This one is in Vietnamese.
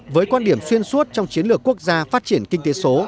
với quan điểm xuyên suốt trong chiến lược quốc gia phát triển kinh tế số